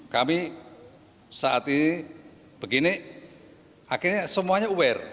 kami saat ini begini akhirnya semuanya aware